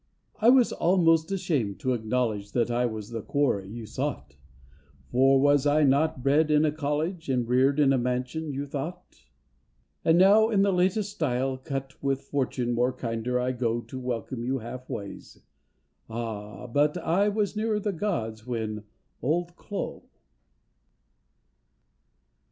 I was almost ashamed to acknowledge That I was the quarry you sought, For was I not bred in a college And reared in a mansion, you thought. 236 OLD CLO' 237 And now in the latest style cut With fortune more kinder I go To welcome you half ways. Ah! but I was nearer the gods when Old Clo*."